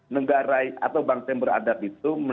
negara atau bangsa yang beradab itu